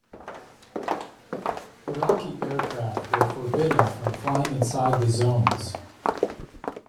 Iraqi aircraft were forbidden from flying inside the zones.